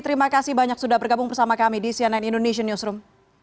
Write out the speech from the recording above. terima kasih banyak sudah bergabung bersama kami di cnn indonesian newsroom